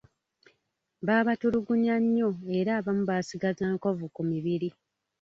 Baabatulugunya nnyo era abamu baasigaza nkovu ku mibiri.